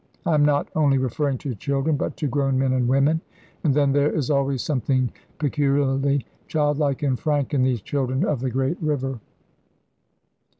I am not only referring to children, but to grown men and women; and then there is always something peculiarly childlike and frank in these children of the great river.